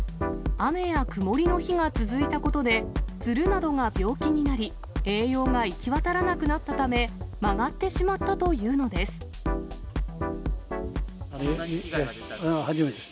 雨や曇りの日が続いたことで、つるなどが病気になり、栄養が行き渡らなくなったため、曲がってしまったというのです。